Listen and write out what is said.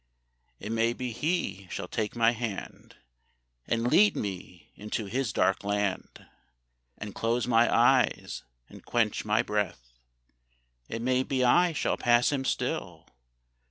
It may be he shall take my hand And lead me into his dark land And close my eyes and quench my breath It may be I shall pass him still.